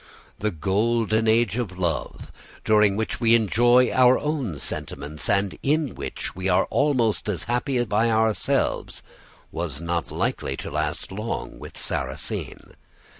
The golden age of love, during which we enjoy our own sentiments, and in which we are almost as happy by ourselves, was not likely to last long with Sarrasine.